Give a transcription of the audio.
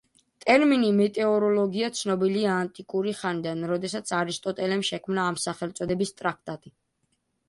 ტერმინი მეტეოროლოგია ცნობილია ანტიკური ხანიდან, როდესაც არისტოტელემ შექმნა ამ სახელწოდების ტრაქტატი.